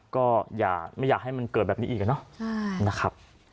ก็ไม่อยากให้มันเกิดแบบนี้อีกเนอะนะครับ